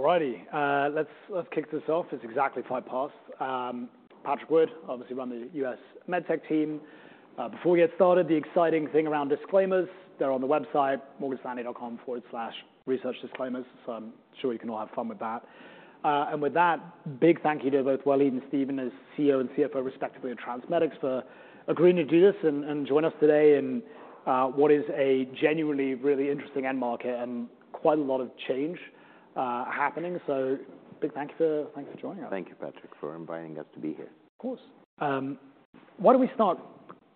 All righty, let's kick this off. It's exactly five past. Patrick Wood, obviously run the U.S. MedTech team. Before we get started, the exciting thing around disclaimers, they're on the website, morganstanley.com/researchdisclaimers, so I'm sure you can all have fun with that. And with that, big thank you to both Waleed and Stephen, as CEO and CFO, respectively, of TransMedics, for agreeing to do this and join us today in what is a genuinely, really interesting end market, and quite a lot of change happening. So big thank you, thanks for joining us. Thank you, Patrick, for inviting us to be here. Of course. Why don't we start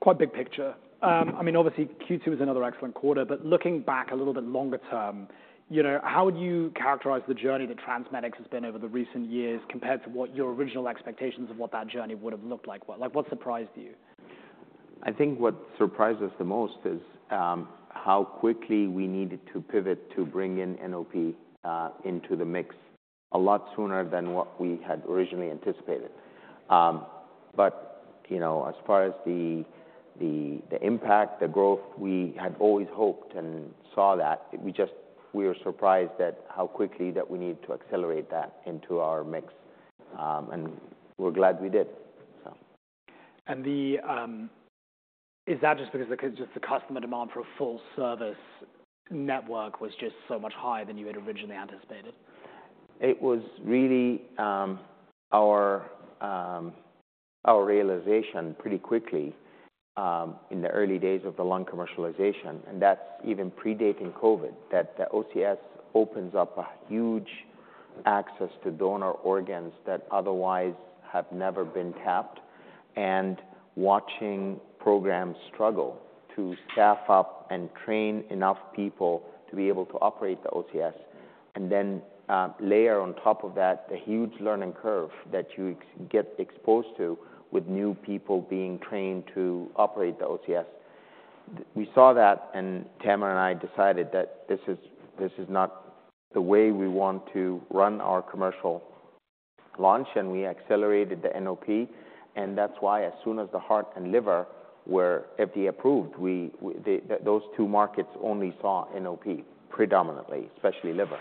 quite big picture? I mean, obviously, Q2 is another excellent quarter, but looking back a little bit longer term, you know, how would you characterize the journey that TransMedics has been over the recent years, compared to what your original expectations of what that journey would have looked like? What, like, what surprised you? I think what surprised us the most is how quickly we needed to pivot to bring in NOP into the mix, a lot sooner than what we had originally anticipated, but you know, as far as the impact, the growth, we had always hoped and saw that. We just were surprised at how quickly that we need to accelerate that into our mix, and we're glad we did, so. Is that just because the customer demand for a full service network was just so much higher than you had originally anticipated? It was really our realization pretty quickly in the early days of the lung commercialization, and that's even predating COVID, that the OCS opens up a huge access to donor organs that otherwise have never been tapped, and watching programs struggle to staff up and train enough people to be able to operate the OCS, then layer on top of that, the huge learning curve that you get exposed to with new people being trained to operate the OCS. We saw that, and Tamer and I decided that this is not the way we want to run our commercial launch, and we accelerated the NOP, and that's why as soon as the heart and liver were FDA approved, we, those two markets only saw NOP predominantly, especially liver.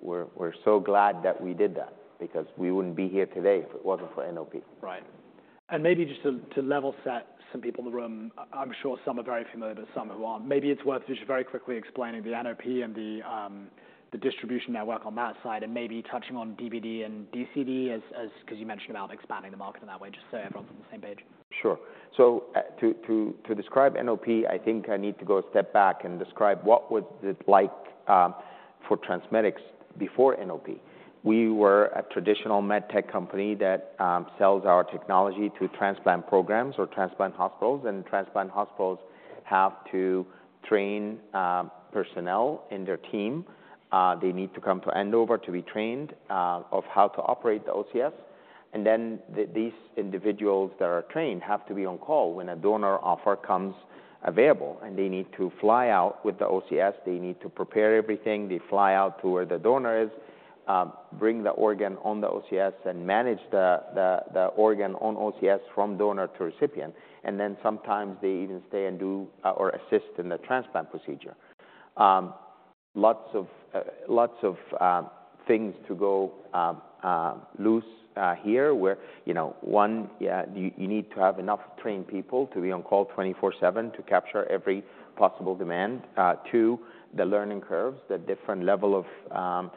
We're so glad that we did that because we wouldn't be here today if it wasn't for NOP. Right. And maybe just to level set some people in the room, I'm sure some are very familiar, but some who aren't. Maybe it's worth just very quickly explaining the NOP and the distribution network on that side, and maybe touching on DBD and DCD as 'cause you mentioned about expanding the market in that way, just so everyone's on the same page. Sure. So, to describe NOP, I think I need to go a step back and describe what was it like for TransMedics before NOP. We were a traditional MedTech company that sells our technology to transplant programs or transplant hospitals, and transplant hospitals have to train personnel in their team. They need to come to Andover to be trained of how to operate the OCS. And then these individuals that are trained have to be on call when a donor offer comes available, and they need to fly out with the OCS. They need to prepare everything. They fly out to where the donor is, bring the organ on the OCS, and manage the organ on OCS from donor to recipient. And then sometimes they even stay and do or assist in the transplant procedure. Lots of things to go loose here, where you know, one, you need to have enough trained people to be on call 24/7 to capture every possible demand. Two, the learning curves, the different level of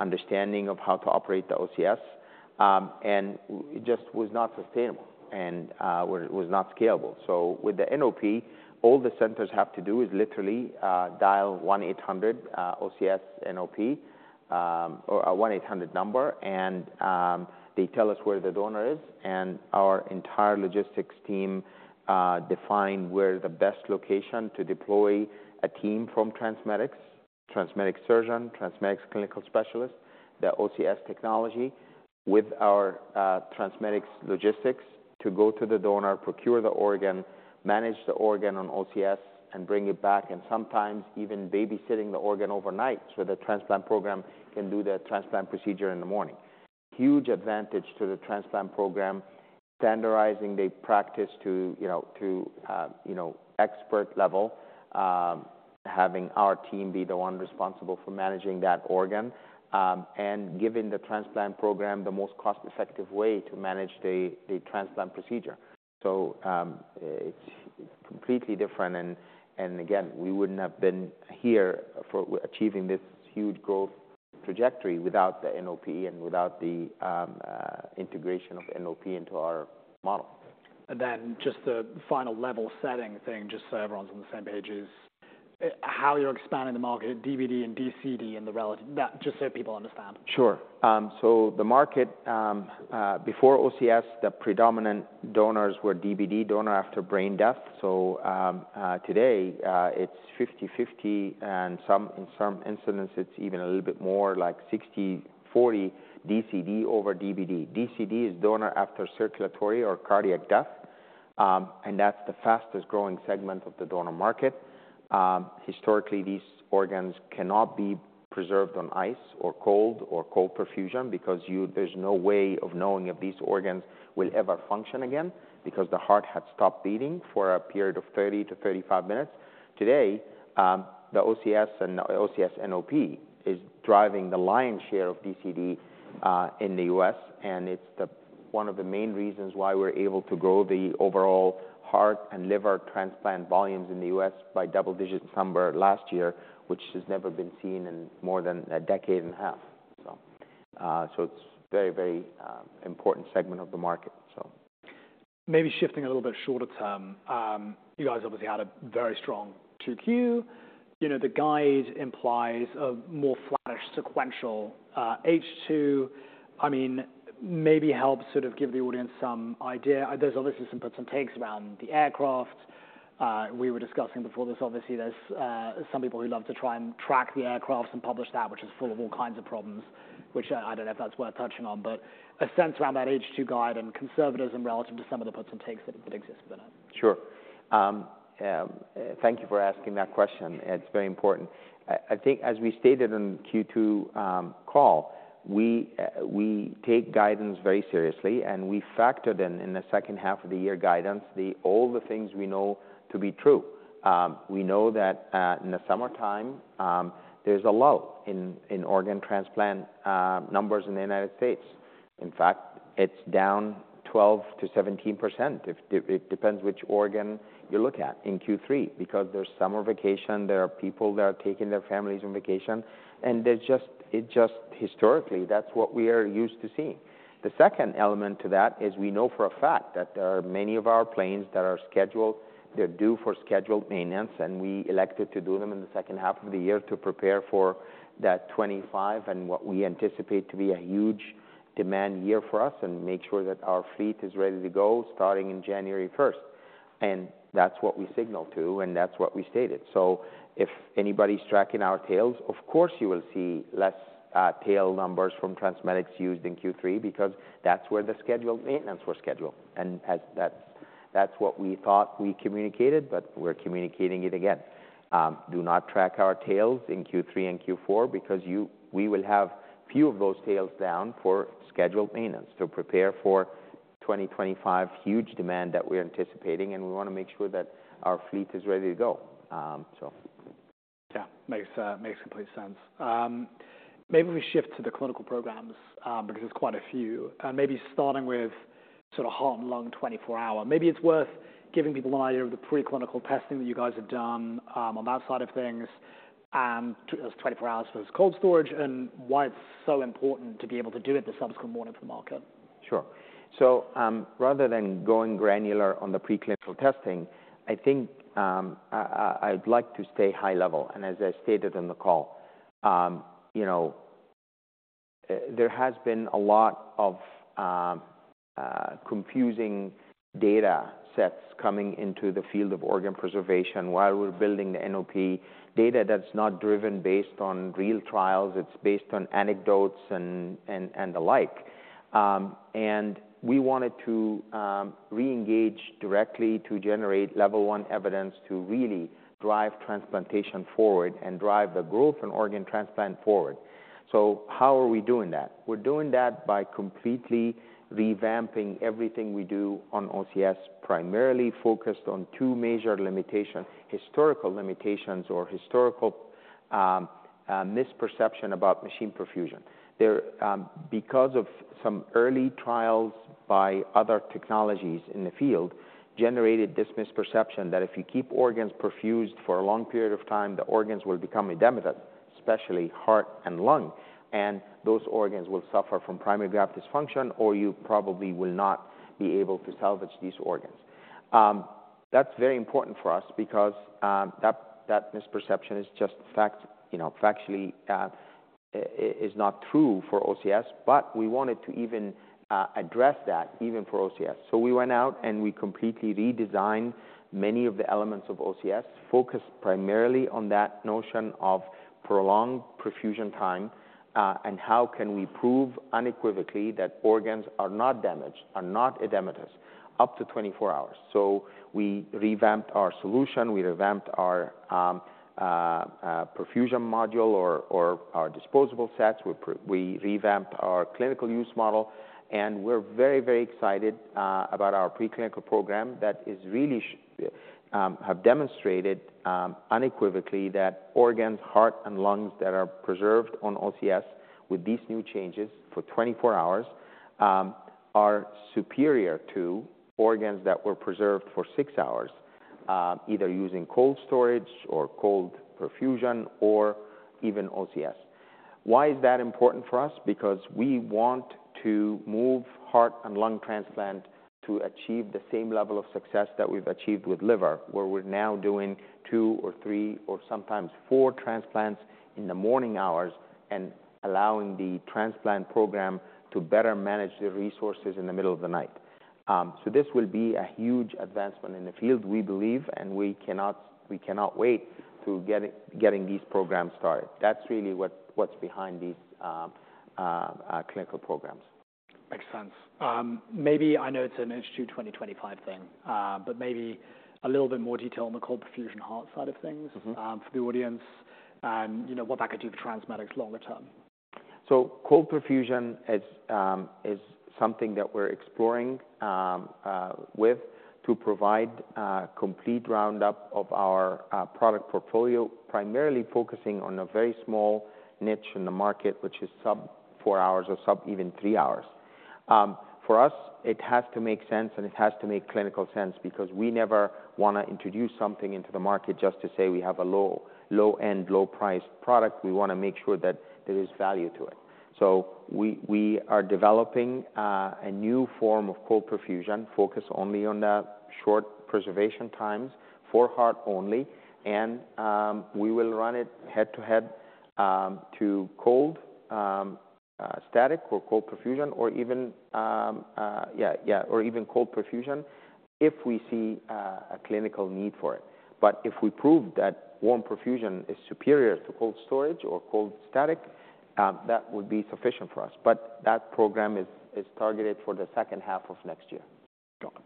understanding of how to operate the OCS, and it just was not sustainable and was not scalable. So with the NOP, all the centers have to do is literally dial 1800 OCSNOP or a 1800 number, and they tell us where the donor is, and our entire logistics team define where the best location to deploy a team from TransMedics, TransMedics surgeon, TransMedics clinical specialist, the OCS technology, with our TransMedics logistics, to go to the donor, procure the organ, manage the organ on OCS, and bring it back, and sometimes even babysitting the organ overnight so the transplant program can do the transplant procedure in the morning. Huge advantage to the transplant program, standardizing the practice to, you know, to, you know, expert level, having our team be the one responsible for managing that organ, and giving the transplant program the most cost-effective way to manage the transplant procedure. It's completely different, and again, we wouldn't have been here for achieving this huge growth trajectory without the NOP and without the integration of NOP into our model. And then just the final level-setting thing, just so everyone's on the same page, is how you're expanding the market, DBD and DCD and the relative. That, just so people understand. Sure. So the market before OCS, the predominant donors were DBD, donor after brain death. So today it's 50/50, and in some instances, it's even a little bit more like 60/40, DCD over DBD. DCD is donor after circulatory or cardiac death. And that's the fastest growing segment of the donor market. Historically, these organs cannot be preserved on ice or cold or cold perfusion because there's no way of knowing if these organs will ever function again, because the heart had stopped beating for a period of 30-35 minutes. Today, the OCS and OCS NOP is driving the lion's share of DCD in the U.S., and it's the one of the main reasons why we're able to grow the overall heart and liver transplant volumes in the U.S. by double-digit number last year, which has never been seen in more than a decade and a half. So, so it's very, very important segment of the market, so. Maybe shifting a little bit shorter term. You guys obviously had a very strong 2Q. You know, the guide implies a more flattish sequential H2. I mean, maybe help sort of give the audience some idea. There's obviously some puts and takes around the aircraft. We were discussing before this, obviously, there's some people who love to try and track the aircrafts and publish that, which is full of all kinds of problems, which I don't know if that's worth touching on. But a sense around that H2 guide and conservatism relative to some of the puts and takes that exist within it. Sure. Yeah, thank you for asking that question. It's very important. I think, as we stated in Q2 call, we take guidance very seriously, and we factored in the second half of the year guidance all the things we know to be true. We know that in the summertime there's a low in organ transplant numbers in the United States. In fact, it's down 12%-17%. It depends which organ you look at in Q3, because there's summer vacation, there are people that are taking their families on vacation, and it just historically, that's what we are used to seeing. The second element to that is we know for a fact that there are many of our planes that are scheduled, they're due for scheduled maintenance, and we elected to do them in the second half of the year to prepare for that 2025 and what we anticipate to be a huge demand year for us and make sure that our fleet is ready to go, starting in January first, and that's what we signal to, and that's what we stated, so if anybody's tracking our tails, of course, you will see less tail numbers from TransMedics used in Q3 because that's where the scheduled maintenance were scheduled, and as that's, that's what we thought we communicated, but we're communicating it again. Do not track our tails in Q3 and Q4 because we will have few of those tails down for scheduled maintenance to prepare for 2025 huge demand that we're anticipating, and we want to make sure that our fleet is ready to go. Yeah, makes complete sense. Maybe we shift to the clinical programs because there's quite a few and maybe starting with sort of heart and lung 24-hour. Maybe it's worth giving people an idea of the preclinical testing that you guys have done on that side of things, and as 24 hours for cold storage, and why it's so important to be able to do it this upcoming morning for the market. Sure. So, rather than going granular on the preclinical testing, I think, I'd like to stay high level, and as I stated on the call, you know, there has been a lot of confusing data sets coming into the field of organ preservation while we're building the NOP. Data that's not driven based on real trials, it's based on anecdotes and the like, and we wanted to reengage directly to generate level one evidence to really drive transplantation forward and drive the growth in organ transplant forward. So how are we doing that? We're doing that by completely revamping everything we do on OCS, primarily focused on two major limitations, historical limitations or historical misperception about machine perfusion. There, because of some early trials by other technologies in the field, generated this misperception that if you keep organs perfused for a long period of time, the organs will become edematous, especially heart and lung, and those organs will suffer from primary graft dysfunction, or you probably will not be able to salvage these organs. That's very important for us because, that misperception is just fact, you know, factually, is not true for OCS, but we wanted to even address that even for OCS, so we went out, and we completely redesigned many of the elements of OCS, focused primarily on that notion of prolonged perfusion time, and how can we prove unequivocally that organs are not damaged, are not edematous, up to 24 hours, so we revamped our solution, we revamped our perfusion module or our disposable sets. We revamped our clinical use model, and we're very, very excited about our preclinical program that is really have demonstrated unequivocally that organs, heart and lungs that are preserved on OCS with these new changes for 24 hours are superior to organs that were preserved for six hours either using cold storage or cold perfusion, or even OCS. Why is that important for us? Because we want to move heart and lung transplant to achieve the same level of success that we've achieved with liver, where we're now doing two or three or sometimes four transplants in the morning hours and allowing the transplant program to better manage their resources in the middle of the night. This will be a huge advancement in the field, we believe, and we cannot, we cannot wait to get these programs started. That's really what's behind these clinical programs.... Makes sense. Maybe I know it's an Institute 2025 thing, but maybe a little bit more detail on the cold perfusion heart side of things- Mm-hmm. For the audience, and you know, what that could do for TransMedics longer term. So cold perfusion is something that we're exploring to provide complete roundup of our product portfolio, primarily focusing on a very small niche in the market, which is sub four hours or sub even three hours. For us, it has to make sense, and it has to make clinical sense because we never want to introduce something into the market just to say we have a low-end, low-priced product. We want to make sure that there is value to it. We are developing a new form of cold perfusion, focused only on the short preservation times for heart only, and we will run it head-to-head to cold static or cold perfusion, or even cold perfusion if we see a clinical need for it. But if we prove that warm perfusion is superior to cold storage or cold static, that would be sufficient for us. But that program is targeted for the second half of next year. Got it.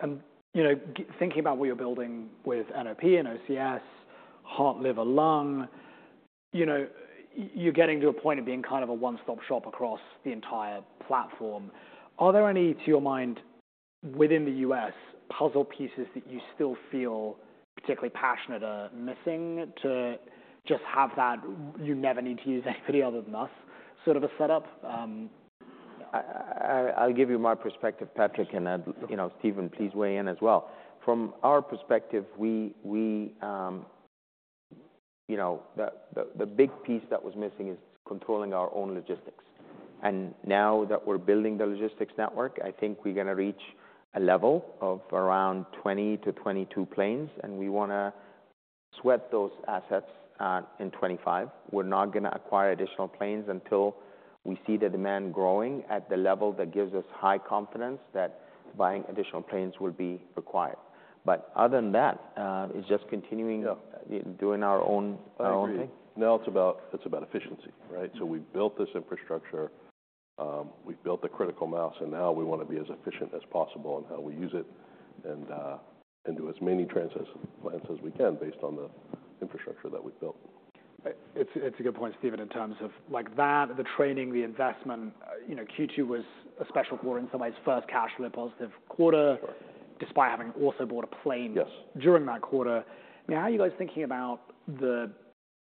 And, you know, thinking about what you're building with NOP and OCS, heart, liver, lung, you know, you're getting to a point of being kind of a one-stop shop across the entire platform. Are there any, to your mind, within the US, puzzle pieces that you still feel particularly passionate are missing to just have that, "You never need to use anybody other than us," sort of a setup? I'll give you my perspective, Patrick, and Sure... you know, Stephen, please weigh in as well. From our perspective, you know, the big piece that was missing is controlling our own logistics. And now that we're building the logistics network, I think we're going to reach a level of around 20- 22 planes, and we want to sweat those assets in 25. We're not going to acquire additional planes until we see the demand growing at the level that gives us high confidence that buying additional planes will be required. But other than that, it's just continuing- Yeah... doing our own thing. I agree. Now it's about, it's about efficiency, right? So we built this infrastructure, we've built the critical mass, and now we want to be as efficient as possible in how we use it and do as many transplants as we can based on the infrastructure that we've built. It's a good point, Stephen, in terms of like that, the training, the investment. You know, Q2 was a special quarter in some ways, first cash flow positive quarter- Sure despite having also bought a plane Yes during that quarter. Now, how are you guys thinking about the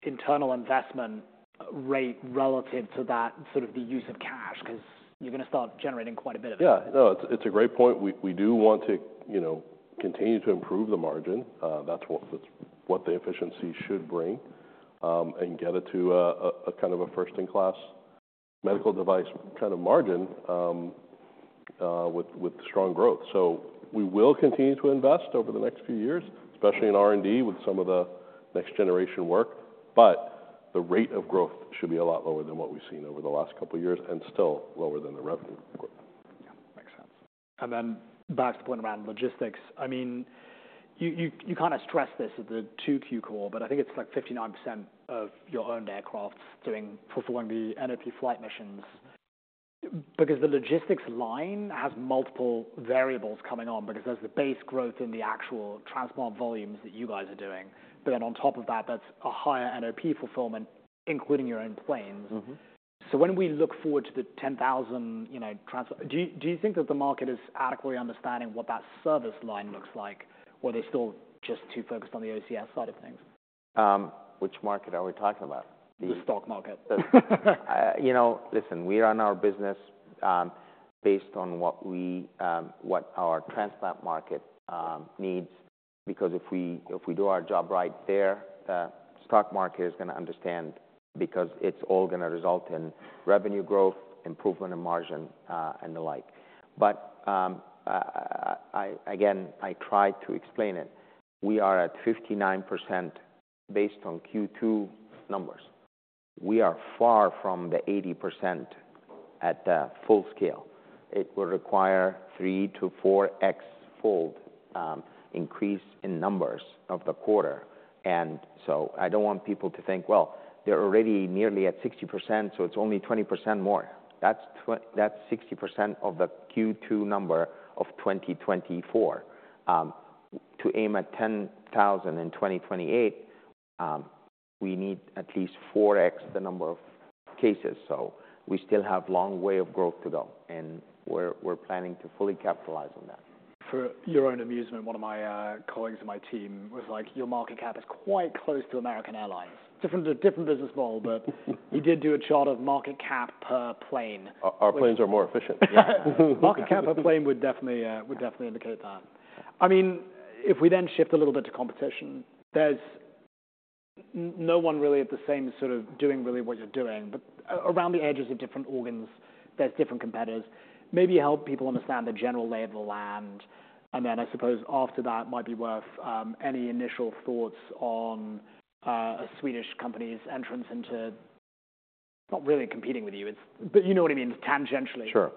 internal investment rate relative to that, sort of the use of cash? Because you're going to start generating quite a bit of it. Yeah. No, it's a great point. We do want to, you know, continue to improve the margin. That's what the efficiency should bring, and get it to a kind of a first-in-class medical device kind of margin, with strong growth. So we will continue to invest over the next few years, especially in R&D, with some of the next-generation work. But the rate of growth should be a lot lower than what we've seen over the last couple of years, and still lower than the revenue growth. Yeah, makes sense. And then back to the point around logistics. I mean, you kind of stressed this at the 2Q call, but I think it's like 59% of your owned aircraft performing the NOP flight missions. Because the logistics line has multiple variables coming on, but it does the base growth in the actual transplant volumes that you guys are doing. But then on top of that, that's a higher NOP fulfillment, including your own planes. Mm-hmm. So when we look forward to the 10,000, you know. Do you think that the market is adequately understanding what that service line looks like, or are they still just too focused on the OCS side of things? Which market are we talking about? The- The stock market. You know, listen, we run our business based on what we what our transplant market needs, because if we, if we do our job right there, the stock market is going to understand because it's all going to result in revenue growth, improvement in margin, and the like. But again, I tried to explain it. We are at 59% based on Q2 numbers. We are far from the 80% at the full scale. It will require 3-4X-fold increase in numbers of the quarter. And so I don't want people to think, "Well, they're already nearly at 60%, so it's only 20% more." That's 60% of the Q2 number of 2024. To aim at 10,000 in 2028, we need at least 4X the number of cases. We still have a long way of growth to go, and we're planning to fully capitalize on that. For your own amusement, one of my colleagues on my team was like, "Your market cap is quite close to American Airlines." Different business model, but he did do a chart of market cap per plane. Our planes are more efficient. Market cap per plane would definitely indicate that. I mean, if we then shift a little bit to competition, there's no one really at the same sort of doing really what you're doing, but around the edges of different organs, there's different competitors. Maybe help people understand the general lay of the land, and then I suppose after that might be worth any initial thoughts on a Swedish company's entrance into... Not really competing with you, it's, but you know what I mean, it's tangentially. Sure.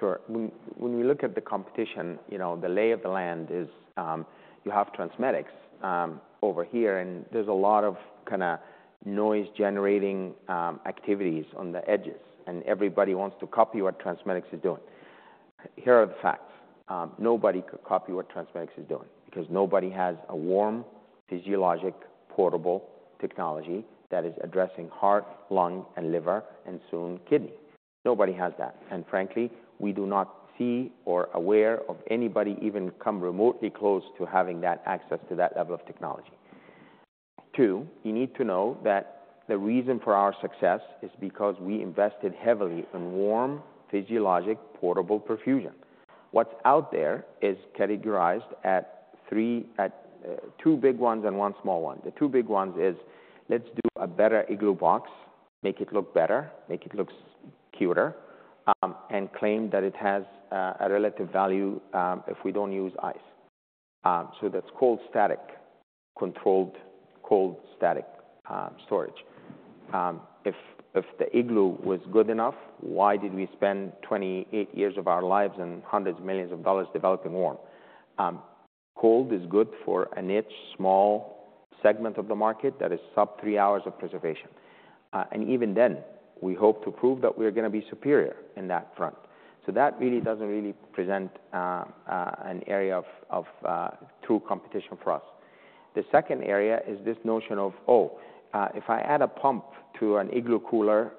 Sure. When we look at the competition, you know, the lay of the land is, you have TransMedics over here, and there's a lot of kinda noise-generating activities on the edges, and everybody wants to copy what TransMedics is doing. Here are the facts: Nobody could copy what TransMedics is doing because nobody has a warm, physiologic, portable technology that is addressing heart, lung, and liver, and soon, kidney. Nobody has that. And frankly, we do not see or aware of anybody even come remotely close to having that access to that level of technology. Two, you need to know that the reason for our success is because we invested heavily in warm, physiologic, portable perfusion. What's out there is categorized at three- two big ones and one small one. The two big ones is, let's do a better igloo box, make it look better, make it look cuter, and claim that it has a relative value if we don't use ice. So that's cold static, controlled cold static storage. If the igloo was good enough, why did we spend 28 years of our lives and hundreds of millions of dollars developing warm? Cold is good for a niche, small segment of the market that is sub three hours of preservation. And even then, we hope to prove that we're gonna be superior in that front. So that really doesn't present an area of true competition for us. The second area is this notion of, "Oh, if I add a pump to an Igloo cooler,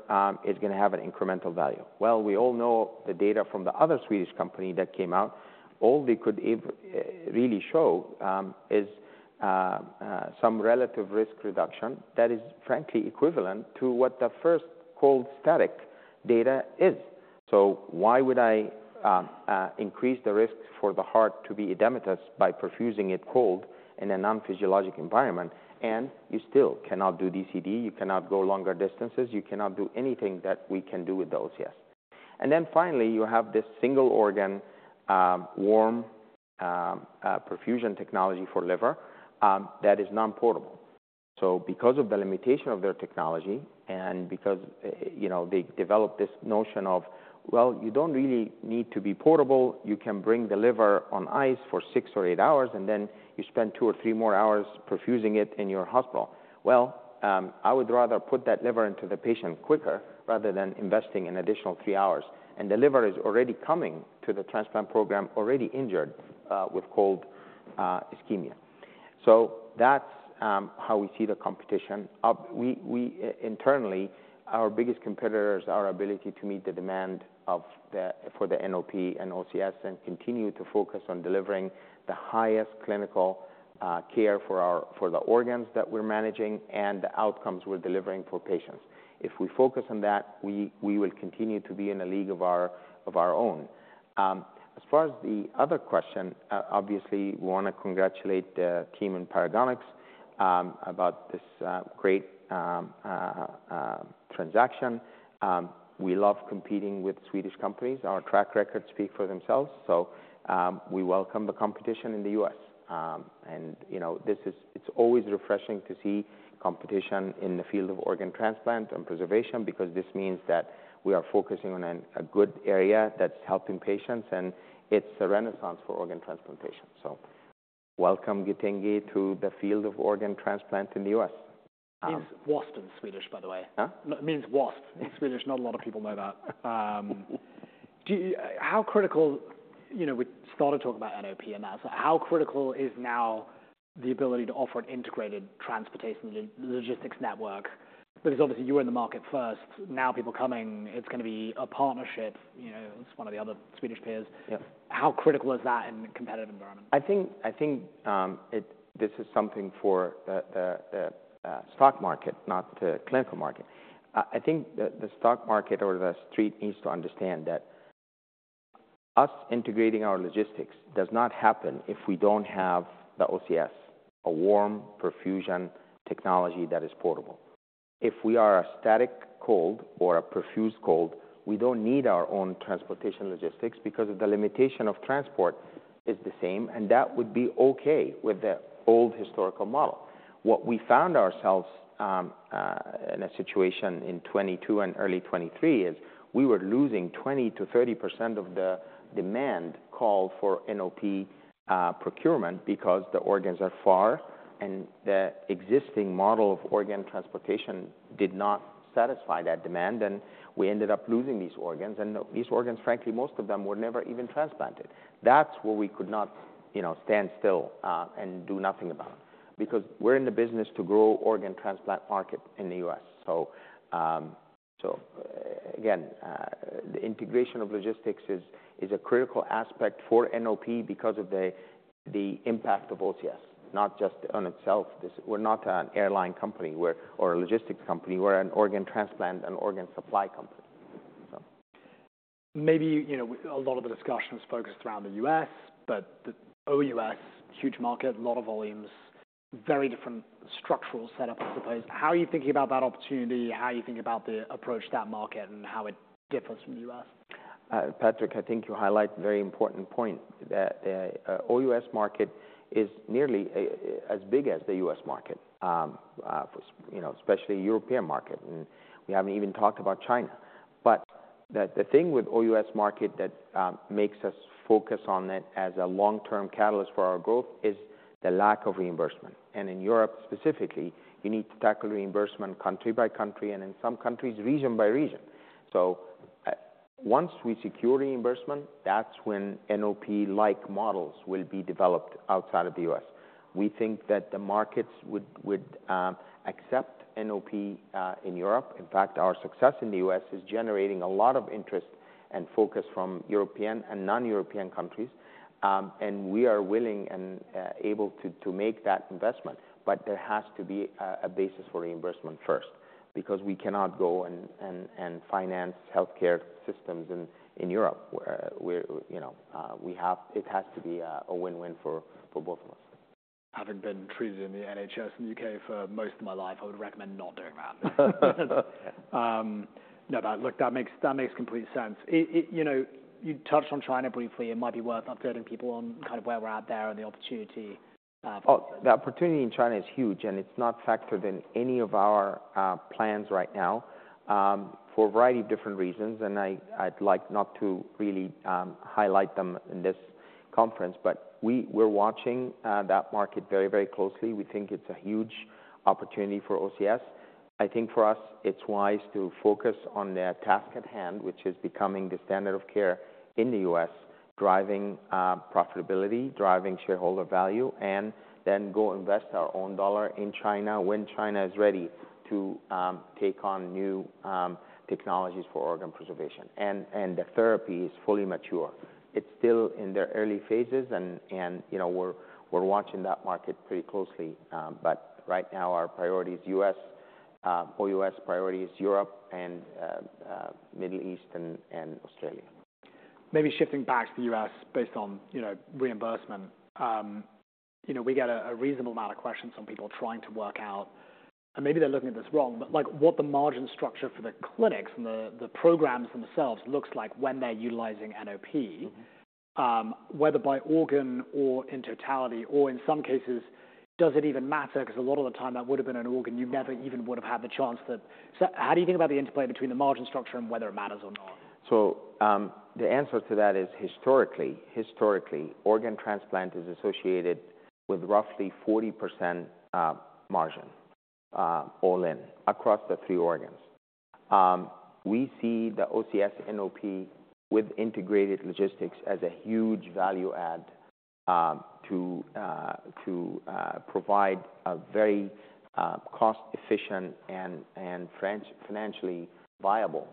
it's gonna have an incremental value." Well, we all know the data from the other Swedish company that came out, all they could really show is some relative risk reduction that is, frankly, equivalent to what the first cold static data is. So why would I increase the risk for the heart to be edematous by perfusing it cold in a non-physiologic environment? And you still cannot do DCD, you cannot go longer distances, you cannot do anything that we can do with the OCS. And then finally, you have this single organ warm perfusion technology for liver that is non-portable. Because of the limitation of their technology and because, you know, they developed this notion of, "Well, you don't really need to be portable, you can bring the liver on ice for six or eight hours, and then you spend two or three more hours perfusing it in your hospital." I would rather put that liver into the patient quicker rather than investing an additional three hours. The liver is already coming to the transplant program injured, with cold ischemia. That's how we see the competition. We internally, our biggest competitors, our ability to meet the demand for the NOP and OCS, and continue to focus on delivering the highest clinical care for the organs that we're managing and the outcomes we're delivering for patients. If we focus on that, we will continue to be in a league of our own. As far as the other question, obviously, we wanna congratulate the team in Paragonix about this great transaction. We love competing with Swedish companies. Our track records speak for themselves, so we welcome the competition in the U.S. And you know, it's always refreshing to see competition in the field of organ transplant and preservation because this means that we are focusing on a good area that's helping patients, and it's a renaissance for organ transplantation. So welcome, Getinge, to the field of organ transplant in the U.S. It means wasp in Swedish, by the way. Huh? It means wasp in Swedish. Not a lot of people know that. You know, we started talking about NOP and that. So how critical is now the ability to offer an integrated transportation logistics network? Because obviously, you were in the market first, now people are coming, it's gonna be a partnership, you know, with one of the other Swedish peers. Yeah. How critical is that in a competitive environment? I think this is something for the stock market, not the clinical market. I think the stock market or the street needs to understand that us integrating our logistics does not happen if we don't have the OCS, a warm perfusion technology that is portable. If we are a static cold or a perfused cold, we don't need our own transportation logistics because of the limitation of transport is the same, and that would be okay with the old historical model. What we found ourselves in a situation in 2022 and early 2023, is we were losing 20%-30% of the demand call for NOP procurement because the organs are far, and the existing model of organ transportation did not satisfy that demand, and we ended up losing these organs. And these organs, frankly, most of them were never even transplanted. That's where we could not, you know, stand still and do nothing about. Because we're in the business to grow organ transplant market in the U.S. So again, the integration of logistics is a critical aspect for NOP because of the impact of OCS, not just on itself. We're not an airline company or a logistics company. We're an organ transplant and organ supply company, so. Maybe, you know, a lot of the discussion was focused around the U.S., but the OUS, huge market, a lot of volumes, very different structural setup, I suppose. How are you thinking about that opportunity? How are you thinking about the approach to that market and how it differs from the U.S.? Patrick, I think you highlight a very important point, that OUS market is nearly as big as the US market, you know, especially European market, and we haven't even talked about China. The thing with OUS market that makes us focus on it as a long-term catalyst for our growth is the lack of reimbursement. And in Europe specifically, you need to tackle reimbursement country by country, and in some countries, region by region. So once we secure reimbursement, that's when NOP-like models will be developed outside of the U.S. We think that the markets would accept NOP in Europe. In fact, our success in the U.S. is generating a lot of interest and focus from European and non-European countries. And we are willing and able to make that investment, but there has to be a basis for reimbursement first, because we cannot go and finance healthcare systems in Europe, where you know we have it has to be a win-win for both of us. Having been treated in the NHS in the U.K. for most of my life, I would recommend not doing that. No, that makes complete sense. It, you know, you touched on China briefly. It might be worth updating people on kind of where we're at there and the opportunity, for- Oh, the opportunity in China is huge, and it's not factored in any of our plans right now, for a variety of different reasons, and I'd like not to really highlight them in this conference, but we're watching that market very, very closely. We think it's a huge opportunity for OCS. I think for us, it's wise to focus on the task at hand, which is becoming the standard of care in the U.S., driving profitability, driving shareholder value, and then go invest our own dollar in China when China is ready to take on new technologies for organ preservation, and you know, we're watching that market pretty closely. But right now, our priority is U.S. For OUS priority is Europe and Middle East and Australia. Maybe shifting back to the U.S. based on, you know, reimbursement. You know, we get a reasonable amount of questions from people trying to work out, and maybe they're looking at this wrong, but like, what the margin structure for the clinics and the programs themselves looks like when they're utilizing NOP- Mm-hmm. whether by organ or in totality, or in some cases, does it even matter? 'Cause a lot of the time, that would have been an organ you never even would have had the chance to... So how do you think about the interplay between the margin structure and whether it matters or not? The answer to that is historically, organ transplant is associated with roughly 40% margin, all in, across the three organs. We see the OCS NOP with integrated logistics as a huge value add to provide a very cost-efficient and financially viable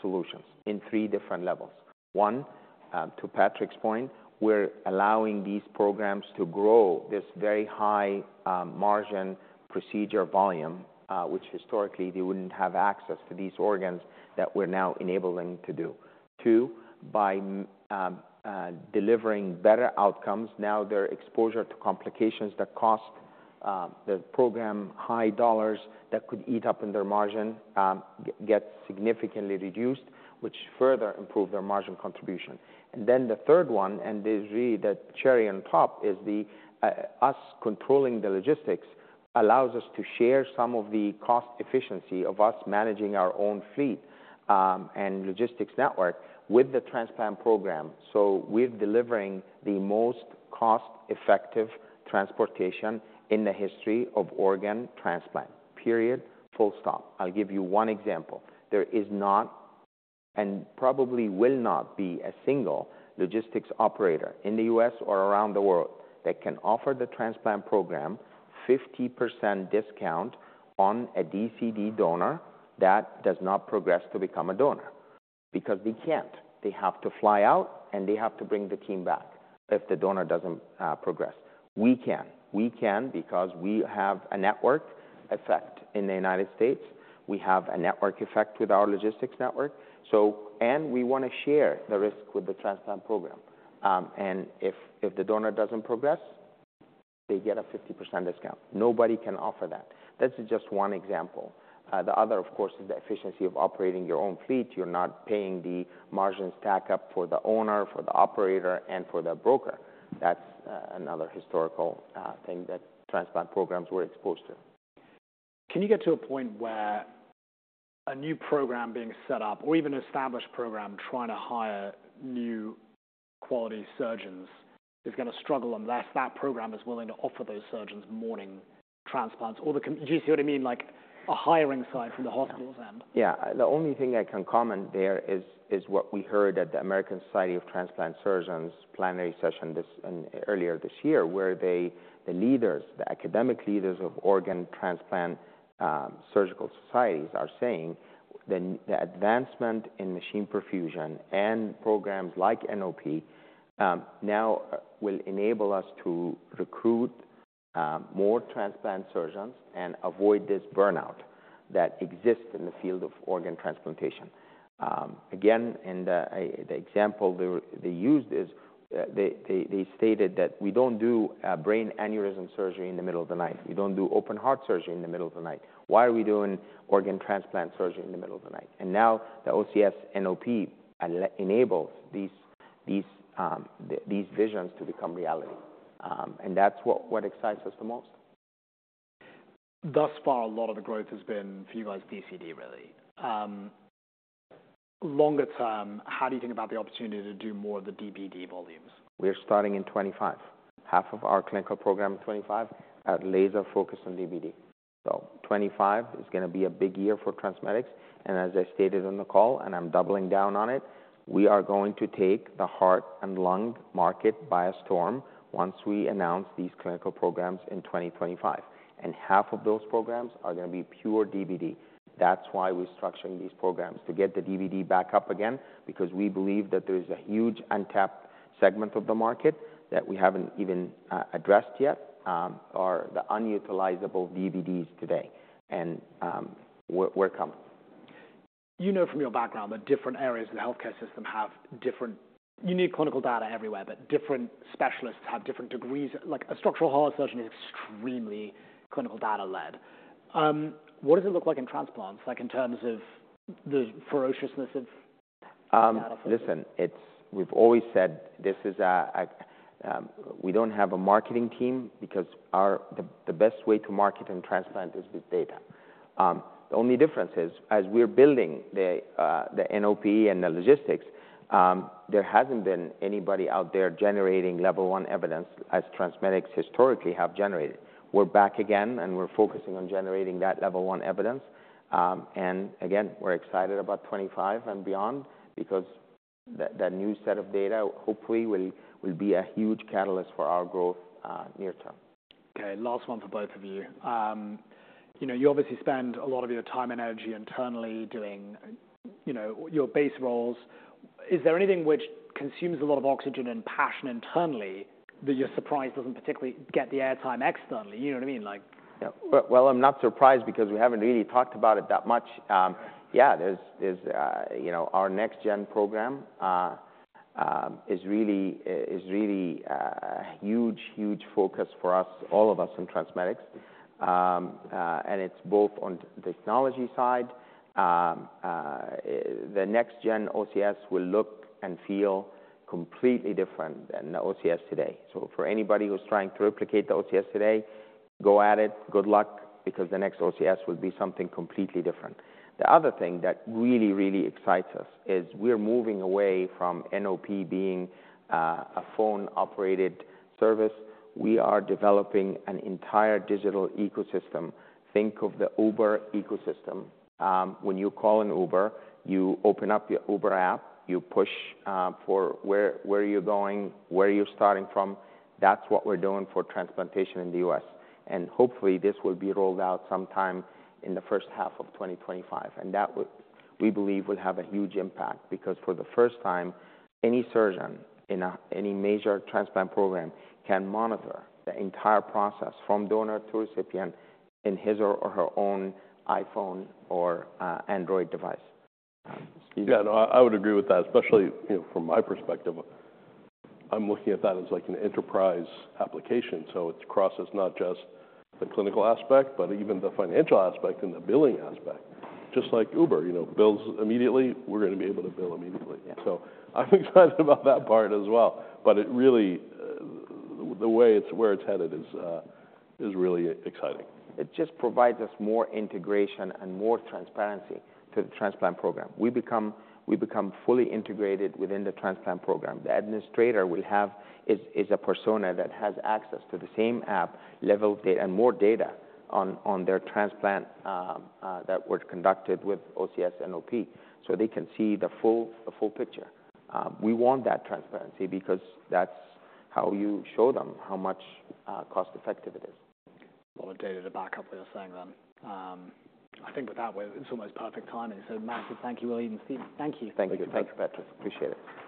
solutions in three different levels. One, to Patrick's point, we're allowing these programs to grow this very high margin procedure volume, which historically, they wouldn't have access to these organs that we're now enabling to do. Two, by delivering better outcomes, now their exposure to complications that cost the program high dollars that could eat up in their margin gets significantly reduced, which further improve their margin contribution. And then the third one, and is really the cherry on top, is the, us controlling the logistics allows us to share some of the cost efficiency of us managing our own fleet, and logistics network with the transplant program. So we're delivering the most cost-effective transportation in the history of organ transplant, period, full stop. I'll give you one example: there is not, and probably will not be, a single logistics operator in the U.S. or around the world that can offer the transplant program 50% discount on a DCD donor that does not progress to become a donor, because they can't. They have to fly out, and they have to bring the team back if the donor doesn't, progress. We can. We can because we have a network effect in the United States. We have a network effect with our logistics network, so and we wanna share the risk with the transplant program. And if the donor doesn't progress, they get a 50% discount. Nobody can offer that. This is just one example. The other, of course, is the efficiency of operating your own fleet. You're not paying the margin stack up for the owner, for the operator, and for the broker. That's another historical thing that transplant programs were exposed to. Can you get to a point where a new program being set up or even an established program trying to hire new quality surgeons is gonna struggle unless that program is willing to offer those surgeons morning transplants or the com...? Do you see what I mean? Like a hiring side from the hospitals end. Yeah. The only thing I can comment there is what we heard at the American Society of Transplant Surgeons plenary session this earlier this year, where they, the leaders, the academic leaders of organ transplant surgical societies, are saying the advancement in machine perfusion and programs like NOP now will enable us to recruit more transplant surgeons and avoid this burnout that exists in the field of organ transplantation. Again, and the example they used is they stated that "We don't do brain aneurysm surgery in the middle of the night. We don't do open heart surgery in the middle of the night. Why are we doing organ transplant surgery in the middle of the night?" And now the OCS NOP enables these visions to become reality. That's what excites us the most.... thus far, a lot of the growth has been for you guys, DCD, really. Longer term, how do you think about the opportunity to do more of the DBD volumes? We're starting in 2025. Half of our clinical program in 2025 are laser focused on DBD. So 2025 is gonna be a big year for TransMedics, and as I stated on the call, and I'm doubling down on it, we are going to take the heart and lung market by storm once we announce these clinical programs in 2025, and half of those programs are gonna be pure DBD. That's why we're structuring these programs, to get the DBD back up again, because we believe that there is a huge untapped segment of the market that we haven't even addressed yet, are the unutilizable DBDs today, and we're coming. You know, from your background, that different areas of the healthcare system have different... You need clinical data everywhere, but different specialists have different degrees. Like, a structural heart surgeon is extremely clinical data-led. What does it look like in transplants, like, in terms of the ferociousness of data? Listen, we've always said this is a. We don't have a marketing team because the best way to market in transplant is with data. The only difference is, as we're building the NOP and the logistics, there hasn't been anybody out there generating level one evidence as TransMedics historically have generated. We're back again, and we're focusing on generating that level one evidence, and again, we're excited about 2025 and beyond because that new set of data hopefully will be a huge catalyst for our growth near term. Okay, last one for both of you. You know, you obviously spend a lot of your time and energy internally doing, you know, your base roles. Is there anything which consumes a lot of oxygen and passion internally that you're surprised doesn't particularly get the airtime externally? You know what I mean, like- Yeah. Well, I'm not surprised because we haven't really talked about it that much. Yeah, there's you know, our next gen program is really a huge focus for us, all of us in TransMedics. And it's both on the technology side. The next gen OCS will look and feel completely different than the OCS today. So for anybody who's trying to replicate the OCS today, go at it, good luck, because the next OCS will be something completely different. The other thing that really excites us is we're moving away from NOP being a phone-operated service. We are developing an entire digital ecosystem. Think of the Uber ecosystem. When you call an Uber, you open up your Uber app, you push for where you're going, where you're starting from. That's what we're doing for transplantation in the U.S. And hopefully, this will be rolled out sometime in the first half of 2025, and that will, we believe, will have a huge impact because for the first time, any surgeon in any major transplant program can monitor the entire process, from donor to recipient, in his or her own iPhone or Android device. Steve? Yeah, no, I would agree with that, especially, you know, from my perspective. I'm looking at that as, like an enterprise application, so it crosses not just the clinical aspect, but even the financial aspect and the billing aspect. Just like Uber, you know, bills immediately, we're gonna be able to bill immediately. Yeah. So I'm excited about that part as well. But it really, the way it's, where it's headed is really exciting. It just provides us more integration and more transparency to the transplant program. We become fully integrated within the transplant program. The administrator we have is a persona that has access to the same app level data and more data on their transplant that was conducted with OCS NOP, so they can see the full picture. We want that transparency because that's how you show them how much cost-effective it is. A lot of data to back up what you're saying, then. I think with that, we're. It's almost perfect timing, so massive thank you, William and Steve. Thank you. Thank you. Thank you, Patrick. Appreciate it.